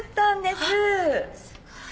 すごい。